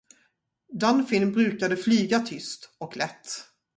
Dunfin brukade flyga tyst och lätt.